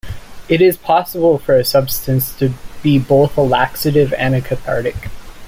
It is possible for a substance to be both a laxative and a cathartic.